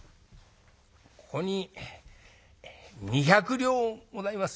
ここに２百両ございます。